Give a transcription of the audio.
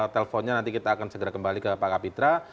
teleponnya nanti kita akan segera kembali ke pak kapitra